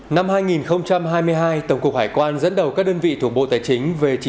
năm hai nghìn hai mươi hai tổng cục hải quan dẫn đầu các đơn vị thuộc bộ tài chính